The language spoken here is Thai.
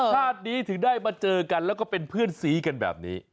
ชาตินี้ถึงได้มาเจอกันแล้วก็เป็นเพื่อนสีกันแบบนี้